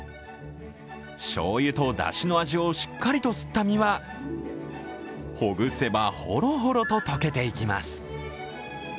しょうゆとだしの味をしっかりと吸った身はほぐせばホロホロと溶けていきます。